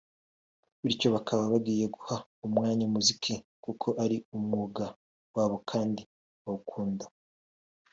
bityo bakaba bagiye guha umwanya umuziki kuko ari umwuga wabo kandi bawukunda